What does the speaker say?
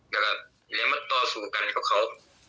แล้วก็เดี๋ยวมาต่อสู้กันกับเขา